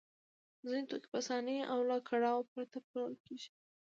ځینې توکي په اسانۍ او له کړاوه پرته پلورل کېږي